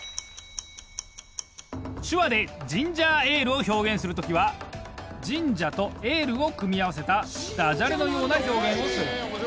手話でジンジャーエールを表現する時は。を組み合わせた駄じゃれのような表現をする。